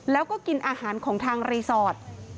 แล้วก็กินอาหารของทางรีสอร์ท